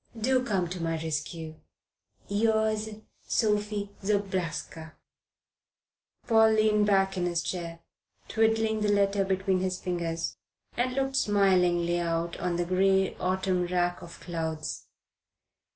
Do come to my rescue. Yours, SOPHIE ZOBRASKA. Paul leaned back in his chair, twiddling the letter between his fingers, and looked smilingly out on the grey autumn rack of clouds.